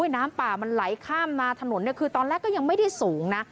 น้ำป่ามันไหลข้ามมาถนนคือตอนแรกก็ยังไม่ได้สูงนะ